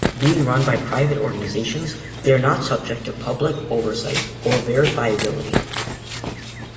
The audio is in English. Being run by private organizations, they are not subject to public oversight or verifiability.